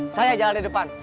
saya jalan di depan